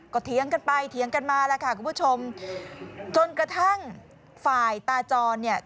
ก็เถียงกันไปเถียงกันมาแล้วค่ะคุณผู้ชมจนกระทั่งฝ่ายตาจรเนี่ย